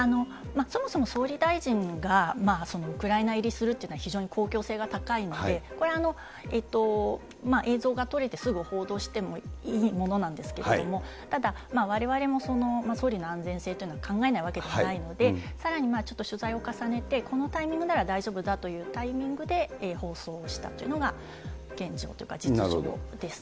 そもそも総理大臣がウクライナ入りするっていうのは非常に公共性が高いので、これ、映像が撮れてすぐ報道してもいいものなんですけれども、ただ、われわれも総理の安全性というのは考えないわけではないので、さらにちょっと取材を重ねて、このタイミングなら大丈夫だというタイミングで、放送したっていうのが現状というか、実情です。